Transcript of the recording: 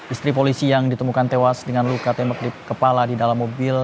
istri polisi yang ditemukan tewas dengan luka tembak di kepala di dalam mobil